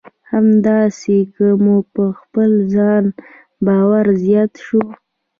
همداسې که مو په خپل ځان باور زیات شو.